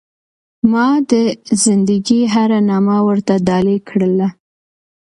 ما د زنده ګۍ هره نامـــه ورتـــه ډالۍ كړله